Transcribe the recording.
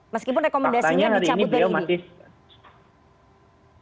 meskipun rekomendasinya dicabut dari ini